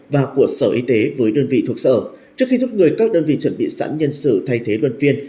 và của sở y tế với đơn vị thuộc sở trước khi rút người các đơn vị chuẩn bị sẵn nhân sự thay thế đơn viên